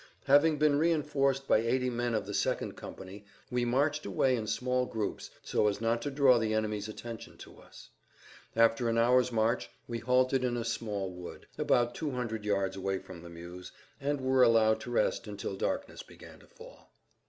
Having been reinforced by eighty men of the second company we marched away in small groups so as not to draw the enemy's attention to us. After an hour's march we halted in a small wood, about 200 yards away from the Meuse, and were allowed to rest until darkness began to fall.